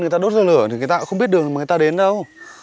người ta đốt lửa thì người ta cũng không biết đường mà người ta đến đâu